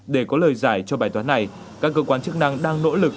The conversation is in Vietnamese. để có lời giải cho bài toán này các cơ quan chức năng đang nỗ lực